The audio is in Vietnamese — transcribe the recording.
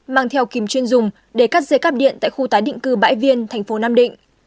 mang theo kìm chuyên dùng để cắt dây cắp điện tại khu tái định cư bãi viên thành phố nam định